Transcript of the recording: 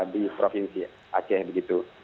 di provinsi aceh begitu